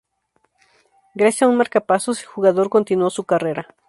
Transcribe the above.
Gracias a un marcapasos, el jugador continuó su carrera.